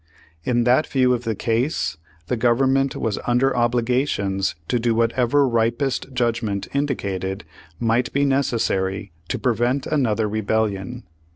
In that viev>' of the case, the Government was under obligations to do whatever ripest judgment indicated might be necessary to prevent another rebellion.